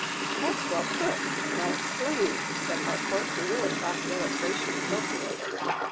"That's well put, well explained," said Harcourt, who really thought the illustration appropriate.